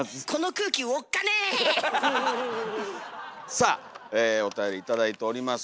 さあおたより頂いております。